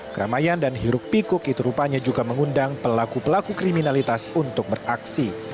keramaian dan hiruk pikuk itu rupanya juga mengundang pelaku pelaku kriminalitas untuk beraksi